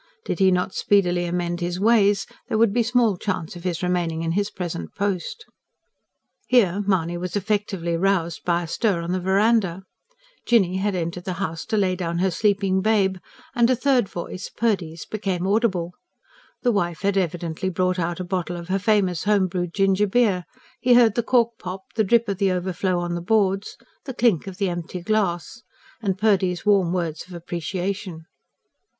Did he not speedily amend his ways, there would be small chance of him remaining in his present post. Here, Mahony was effectually roused by a stir on the verandah. Jinny had entered the house to lay down her sleeping babe, and a third voice, Purdy's, became audible. The wife had evidently brought out a bottle of her famous home brewed gingerbeer: he heard the cork pop, the drip of the overflow on the boards, the clink of the empty glass; and Purdy's warm words of appreciation.